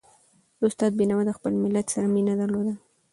استاد بينوا د خپل ملت سره مینه درلوده.